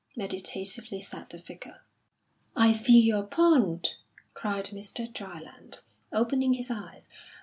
meditatively said the Vicar. "I see your point!" cried Mr. Dryland, opening his eyes.